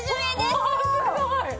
すごい！